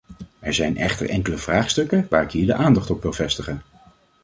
Er zijn echter enkele vraagstukken waar ik hier de aandacht op wil vestigen.